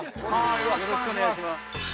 ◆よろしくお願いします。